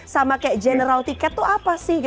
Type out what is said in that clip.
sama kayak general ticket tuh apa sih